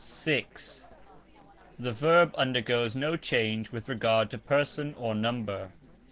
(6) The VERB undergoes no change with regard to person or number.